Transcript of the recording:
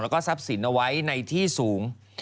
แล้วก็ทรัพย์สินเอาไว้ในที่สูง